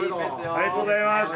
ありがとうございます。